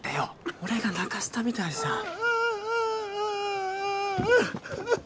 俺が泣かしたみたいじゃん・ああ